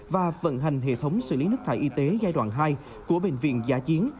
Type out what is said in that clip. và vận hành hệ thống xử lý nước thải y tế giai đoạn hai của bệnh viện giả chiến